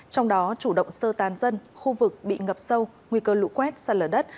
trong đó chủ động sơ tán dân khu vực bị ngập sâu nguy cơ lũ quét sạt lở đất